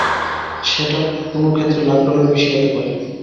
সেটা কোনো ক্ষেত্রে লাখ ডলারের বেশি হতে পারে।